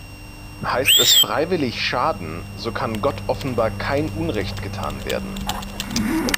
Heißt es freiwillig schaden, so kann Gott offenbar kein Unrecht getan werden“.